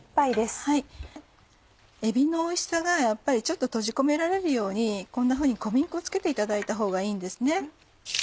えびのおいしさが閉じ込められるようにこんなふうに小麦粉を付けていただいたほうがいいんですね。